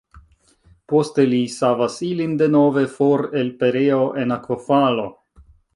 Poste li savas ilin denove for el pereo en akvofalo.